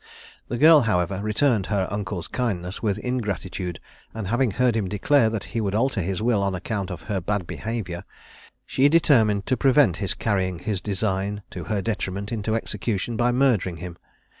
The girl, however, returned her uncle's kindness with ingratitude, and having heard him declare that he would alter his will on account of her bad behaviour, she determined to [Illustration: Duel between Lord Mahon and the Duke] prevent his carrying his design to her detriment into execution by murdering him.